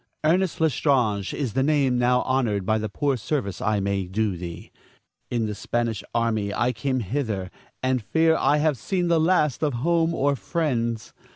Ernest L'Estrange is the name now honored by the poor service I may do thee. In the Spanish army I came hither, and fear I have seen the last of home or friends.